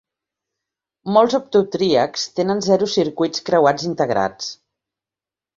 Molts optotríacs tenen zero circuits creuats integrats.